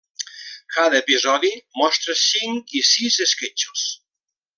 Cada episodi mostra cinc i sis esquetxos.